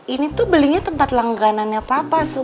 ini tuh belinya tempat langganan ya papa su